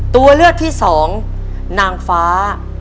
ตัวเลือกที่สองนางฟ้า